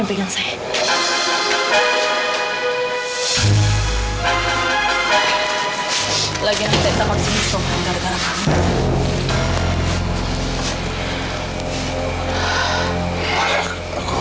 mencobain gara gara kamu